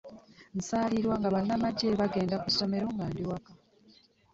Nsaalirwa nga bannange bagenda ku ssomero nga ndi waka.